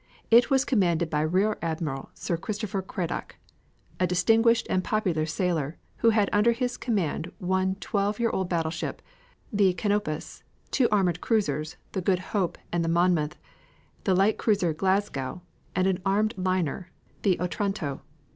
It was commanded by Rear Admiral Sir Christopher Cradock, a distinguished and popular sailor, who had under his command one twelve year old battleship, the Canopus, two armored cruisers, the Good Hope and the Monmouth, the light cruiser Glasgow, and an armed liner, the Otranto.